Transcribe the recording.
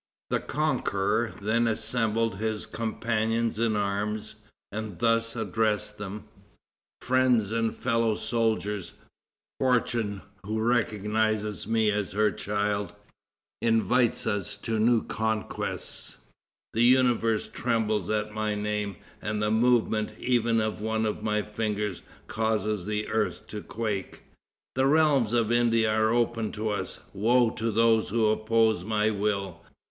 The conqueror then assembled his companions in arms, and thus addressed them: "Friends and fellow soldiers; fortune, who recognizes me as her child, invites us to new conquests. The universe trembles at my name, and the movement even of one of my fingers causes the earth to quake. The realms of India are open to us. Woe to those who oppose my will.